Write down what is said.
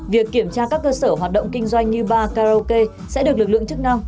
việc kiểm tra các cơ sở hoạt động kinh doanh như ba karaoke sẽ được lực lượng chức năng